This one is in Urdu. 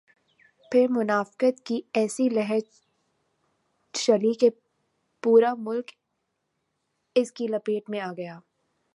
پھر منافقت کی ایسی لہر چلی کہ پورا ملک اس کی لپیٹ میں آ گیا۔